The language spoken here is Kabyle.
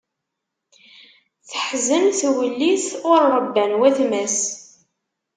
Teḥzen twellit, ur ṛebban watma-s.